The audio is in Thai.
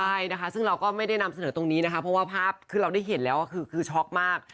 ใช่นะคะซึ่งเราก็ไม่ได้นำเสนอตรงนี้นะคะเพราะว่าภาพคือเราได้เห็นแล้วคือช็อกมาก